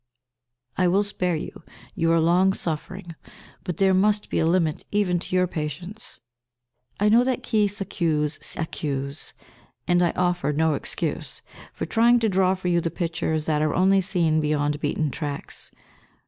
I will spare you. You are long suffering, but there must be a limit even to your patience. I know that qui s'excuse s'accuse, and I offer no excuse for trying to draw for you the pictures that are only seen beyond beaten tracks.